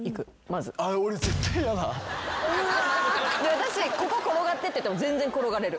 私ここ転がってって言っても全然転がれる。